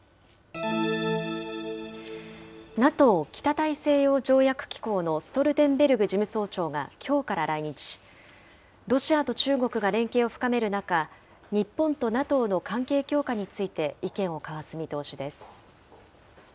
ＮＡＴＯ・北大西洋条約機構のストルテンベルグ事務総長がきょうから来日し、ロシアと中国が連携を深める中、日本とＮＡＴＯの関係強化について、意見を交わす見通しです。